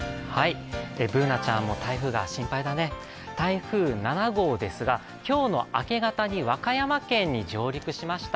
Ｂｏｏｎａちゃんも台風が心配だね、台風７号ですが、今日の明け方に和歌山県に上陸しました。